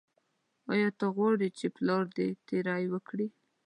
ایا ته غواړې چې پلار دې تیری وکړي.